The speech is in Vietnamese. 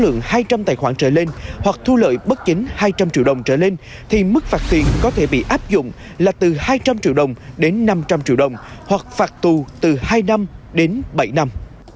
trường hợp mua bán với số lượng hai trăm linh tài khoản trở lên hoặc thu lợi bất chính hai trăm linh triệu đồng trở lên thì mức phạt tiền có thể bị áp dụng là từ hai trăm linh triệu đồng đến năm trăm linh triệu đồng hoặc phạt tù từ hai năm đến bảy năm